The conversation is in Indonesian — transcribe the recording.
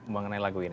mengenai lagu ini